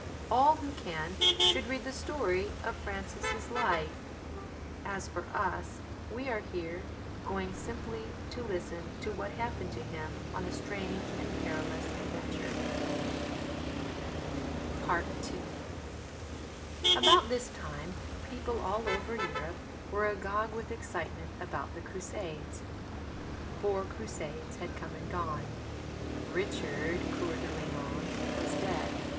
All who can should read the story of Francis' life: as for us we are here going simply to listen to what happened to him on a strange and perilous adventure. II About this time people all over Europe were agog with excitement about the Crusades. Four Crusades had come and gone. Richard Coeur de Lion was dead.